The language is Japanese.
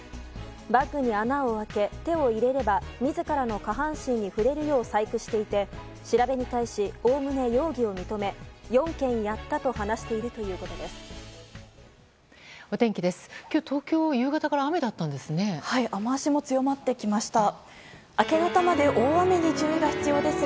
バッグに穴を開け、手を入れれば自らの下半身に触れるよう細工していて調べに対し、おおむね容疑を認め４件やったと話しているということです。